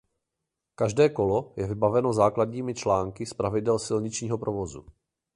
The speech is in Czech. Každé kolo je vybaveno základními články z pravidel silničního provozu.